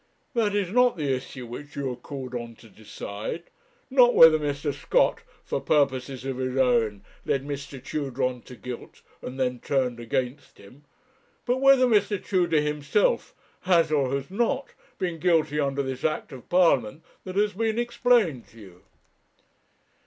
That is not the issue which you are called on to decide; not whether Mr. Scott, for purposes of his own, led Mr. Tudor on to guilt, and then turned against him; but whether Mr. Tudor himself has, or has not, been guilty under this Act of Parliament that has been explained to you.